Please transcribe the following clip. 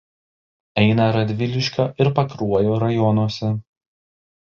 Eina Radviliškio ir Pakruojo rajonuose.